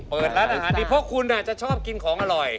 เพราะคุณอ่ะจะชอบกินของอร่อย